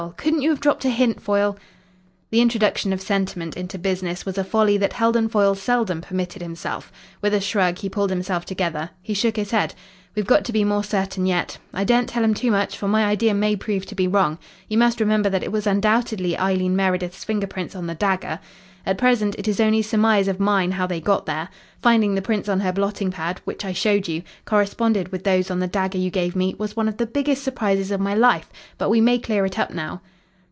Couldn't you have dropped a hint, Foyle?" The introduction of sentiment into business was a folly that Heldon Foyle seldom permitted himself. With a shrug he pulled himself together. He shook his head. "We've got to be more certain yet. I daren't tell him too much for my idea may prove to be wrong. You must remember that it was undoubtedly Eileen Meredith's finger prints on the dagger. At present it is only surmise of mine how they got there. Finding the prints on her blotting pad, which I showed you, corresponded with those on the dagger you gave me, was one of the biggest surprises of my life. But we may clear it up now."